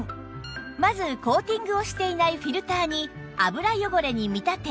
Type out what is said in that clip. まずコーティングをしていないフィルターに油汚れに見立て